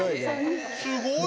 すごい！